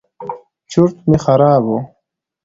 چورت مې خراب و.